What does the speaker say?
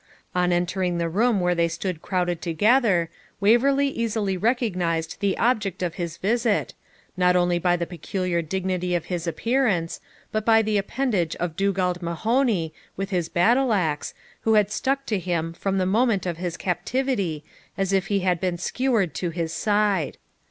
On entering the room where they stood crowded together, Waverley easily recognised the object of his visit, not only by the peculiar dignity of his appearance, but by the appendage of Dugald Mahony, with his battleaxe, who had stuck to him from the moment of his captivity as if he had been skewered to his side.